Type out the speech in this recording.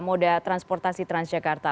moda transportasi transjakarta